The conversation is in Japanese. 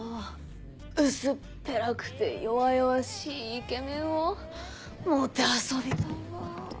薄っぺらくて弱々しいイケメンをもてあそびたいわ。